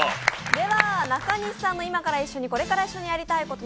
では中西さんの「今から一緒にこれから一緒にやりたいこと」